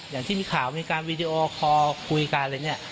อย่างที่มีข่าวมีการวีดีโอคอลคุยกันอะไรเนี่ย